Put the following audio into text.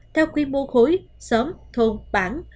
theo quy mô khối xóm thôn bản